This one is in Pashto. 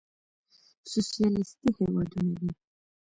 سوسيالېسټي هېوادونه دي.